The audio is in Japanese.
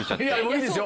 いいですよ